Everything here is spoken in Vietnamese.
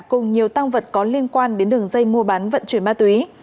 cùng nhiều tăng vật có liên quan đến đường dây mua bán vận chuyển ma túy